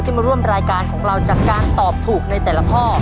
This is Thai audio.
มาร่วมรายการของเราจากการตอบถูกในแต่ละข้อ